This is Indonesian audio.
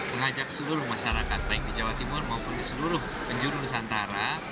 mengajak seluruh masyarakat baik di jawa timur maupun di seluruh penjuru nusantara